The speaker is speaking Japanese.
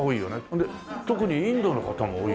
それで特にインドの方も多い。